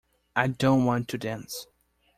I don't want to dance.